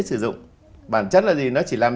sử dụng bản chất là gì nó chỉ làm